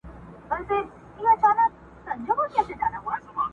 o چي څنگه ئې ځنگل، هغسي ئې چغالان٫